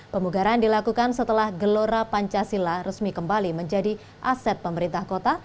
pemugaran dilakukan setelah gelora pancasila resmi kembali menjadi aset pemerintah kota